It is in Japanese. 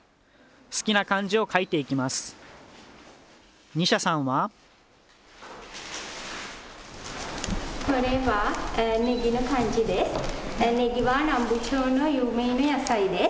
好きな漢字を書いていきます。